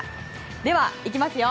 ではいきますよ。